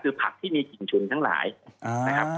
คือผักที่มีกลิ่นฉุนทั้งหลายนะครับ